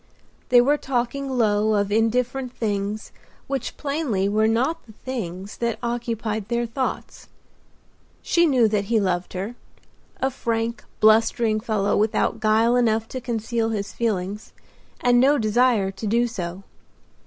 They were talking low, of indifferent things which plainly were not the things that occupied their thoughts. She knew that he loved her—a frank, blustering fellow without guile enough to conceal his feelings, and no desire to do so.